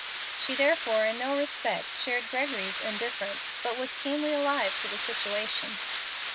She therefore in no respect shared Gregory's indifference, but was keenly alive to the situation.